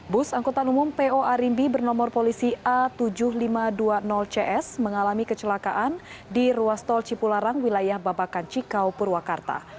bus angkutan umum po arimbi bernomor polisi a tujuh ribu lima ratus dua puluh cs mengalami kecelakaan di ruas tol cipularang wilayah babakan cikau purwakarta